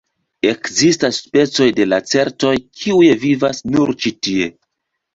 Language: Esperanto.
Ekzistas specoj de lacertoj, kiuj vivas nur ĉi tie.